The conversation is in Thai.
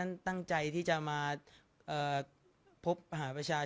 สงฆาตเจริญสงฆาตเจริญ